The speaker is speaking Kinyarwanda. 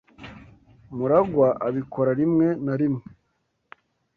MuragwA abikora rimwe na rimwe.